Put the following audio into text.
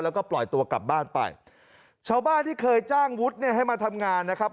แล้วก็ปล่อยตัวกลับบ้านไปชาวบ้านที่เคยจ้างวุฒิเนี่ยให้มาทำงานนะครับ